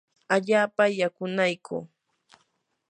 allaapam yakunaykuu.